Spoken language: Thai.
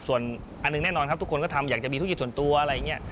ส่วนอันหนึ่งแน่นอนครับทุกคนก็ทำอยากจะมีธุรกิจส่วนตัวอะไรอย่างนี้